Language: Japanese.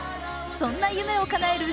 そんな夢をかなえる